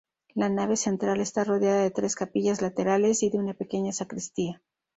La nave central está rodeada de tres capillas laterales y de una pequeña sacristía.